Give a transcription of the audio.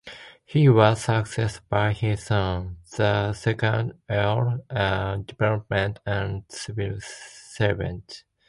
He was succeeded by his son, the second Earl, a diplomat and civil servant.